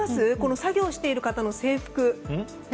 作業している方の制服。